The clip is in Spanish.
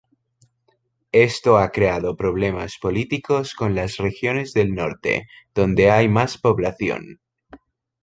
Esto ha creado problemas políticos con las regiones del norte, donde hay más población.